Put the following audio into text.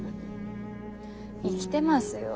生きてますよ。